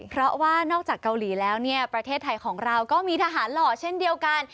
เพราะว่านอกจากเกาหลีแล้วเนี่ยประเทศไทยของเราก็มีทหารหล่อเช่นเดียวกัน